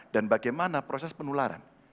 dan bagaimana proses penularan